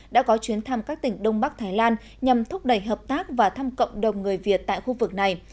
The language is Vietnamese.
đã có chuyến thăm các tỉnh đông bắc thái lan nhằm thúc đẩy hợp tác và thăm cộng đồng người việt tại khu vực này